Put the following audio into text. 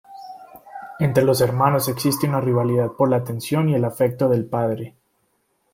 Entre los hermanos existe una rivalidad por la atención y el afecto del padre.